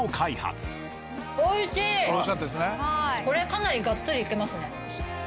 これかなりガッツリいけますね。